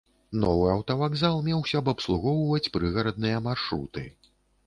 Новы аўтавакзал меўся б абслугоўваць прыгарадныя маршруты.